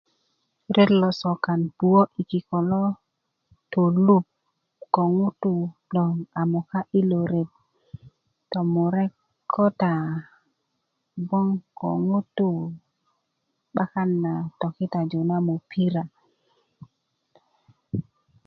ret losokan puwö yi kiko tolup ko ŋutuu loŋ a moka ilo ret tomurek ko ta gboŋ ko ŋutuu 'bakan na tokitaju na mupira